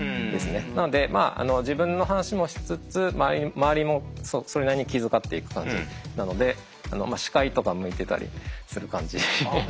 なので自分の話もしつつ周りもそれなりに気遣っていく感じなので司会とか向いてたりする感じですね。